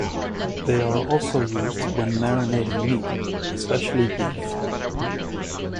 They are also used when marinating meat, especially beef.